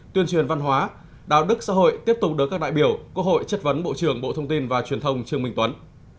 tuyên truyền văn hóa đạo đức xã hội tiếp tục được các đại biểu quốc hội chất vấn bộ trưởng bộ thông tin và truyền thông trương minh tuấn